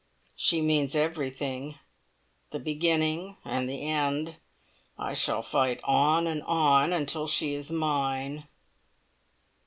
She means everything the beginning and the end. I shall fight on and on until she is mine."